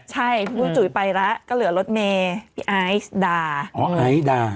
ใช่พี่คุณจุยไปละก็เหลือรถเมมีไอซ์ดาอ๋อไอซ์ดา